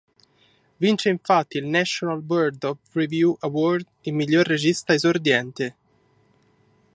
Vince infatti il National Board of Review Award al miglior regista esordiente.